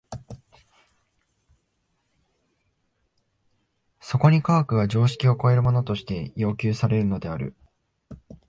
そこに科学が常識を超えるものとして要求されるのである。